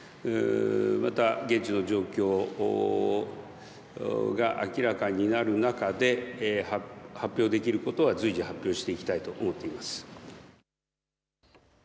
また現地の状況が明らかになる中で発表できることは随時発表していきたいと思っています。